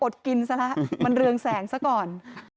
กินซะแล้วมันเรืองแสงซะก่อน